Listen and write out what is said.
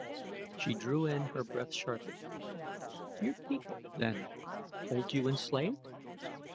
She drew in her breath sharply. "Your people, then, hold you enslaved?"